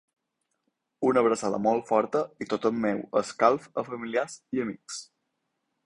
Una abraçada molt forta i tot el meu escalf a familiars i amics.